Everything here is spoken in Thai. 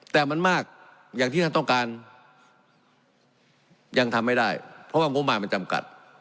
แต่มันมากอย่างที่ท่านต้องการยังทำไม่ได้เพราะว่างบมารมันจำกัด